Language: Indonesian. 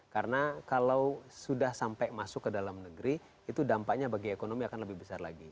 karena kalau sudah sampai masuk ke dalam negeri itu dampaknya bagi ekonomi akan lebih besar lagi